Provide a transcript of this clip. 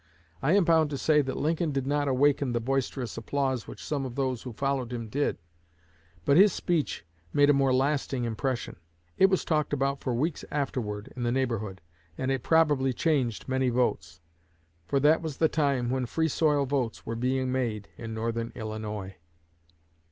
I am bound to say that Lincoln did not awaken the boisterous applause which some of those who followed him did, but his speech made a more lasting impression. It was talked about for weeks afterward in the neighborhood, and it probably changed many votes; for that was the time when Free soil votes were being made in Northern Illinois."